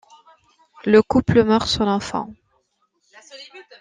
Le couple meurt sans enfant.